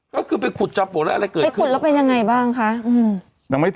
ให้ขุดแล้วเป็นยังไงบ้างคะ